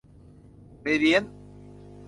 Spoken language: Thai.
เรเดียนซ์